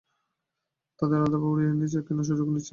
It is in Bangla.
তাদের আলাদাভাবে উড়িয়ে এনেছি, কোনো সুযোগ নিচ্ছি না আমি।